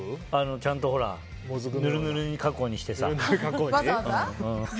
ちゃんとぬるぬる加工にしてさ。